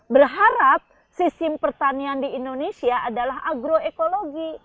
berharap sistem pertanian di indonesia adalah agroekologi